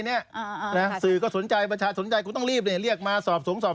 นี้ศึกสนใจประชาสนใจก็ต้องรีบโว้ยเรียกมาสอบสวงสอบ